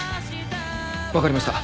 わかりました。